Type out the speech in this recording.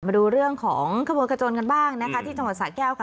มาดูเรื่องของขโมยกระจนกันบ้างนะคะที่จังหวัดสะแก้วค่ะ